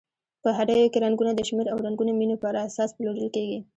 په هټیو کې رنګونه د شمېر او رنګونو مینو پر اساس پلورل کیږي.